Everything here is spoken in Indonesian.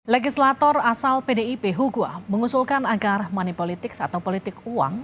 legislator asal pdip hugua mengusulkan agar money politics atau politik uang